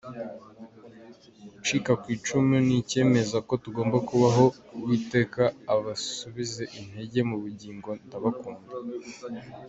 Gucika kw’icumu ni icyemeza ko tugomba kubaho. Uwiteka abasubize intege mu bugingo ndabakunda.”